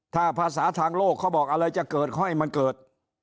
ถ้าภาษาทางโลกเขาบอกอะไรจะเกิดห้อยมันเกิด